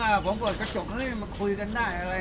อ่าผมเอากระจกไม่ได้มาคุยกันได้อะไรอะไร